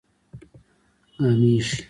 ګامېښې